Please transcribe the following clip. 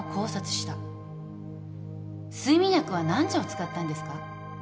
睡眠薬は何錠使ったんですか？